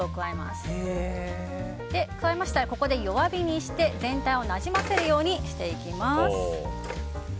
加えましたらここで弱火にして全体をなじませるようにしていきます。